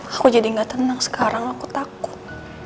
aku jadi gak tenang sekarang aku takut